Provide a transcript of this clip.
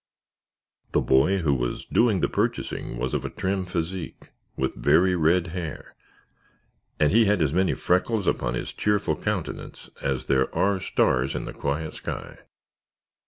The boy who was doing the purchasing was of a trim physique, with very red hair and he had as many freckles upon his cheerful countenance as there are stars in the quiet sky.